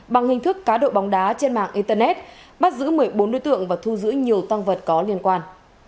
bằng hình thức cá độ bóng đá trên mạng internet bắt giữ một mươi bốn đối tượng và thu giữ nhiều tăng vật có liên quan